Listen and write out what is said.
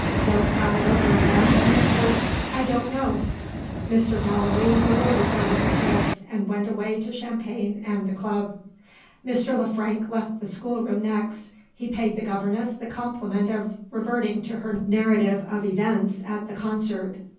Zo clouded over again, and answered, "I don't know." Mr. Gallilee rewarded her with a kiss, and went away to champagne and the club. Mr. Le Frank left the schoolroom next. He paid the governess the compliment of reverting to her narrative of events at the concert.